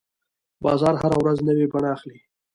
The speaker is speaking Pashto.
بازار هره ورځ نوې بڼه اخلي.